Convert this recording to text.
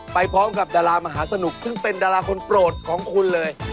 ไปพร้อมกับดารามหาสนุกซึ่งเป็นดาราคนโปรดของคุณเลย